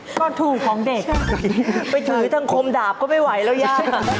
ก็ถูกของเด็กไปถือทางคมดาบก็ไม่ไหวแล้วย่า